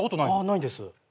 ないです。